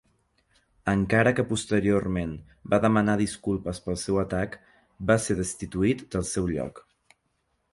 Encara que posteriorment va demanar disculpes pel seu atac, va ser destituït del seu lloc.